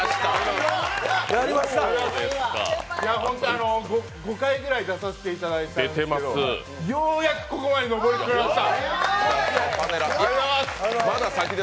ホント５回くらい出させていただいたんですけど、ようやくここまで登り詰めました。